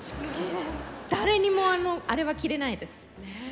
誰にもあれは着れないです。